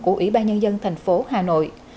của ủy ban nhân dân thành phố hà nội